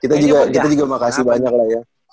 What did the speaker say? kita juga kita juga makasih banyak lah ya